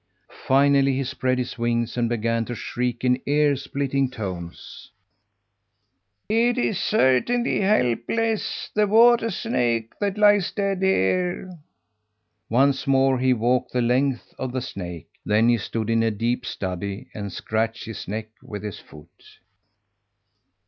Finally he spread his wings and began to shriek in ear splitting tones: "It is certainly Helpless, the water snake, that lies dead here!" Once more he walked the length of the snake; then he stood in a deep study, and scratched his neck with his foot.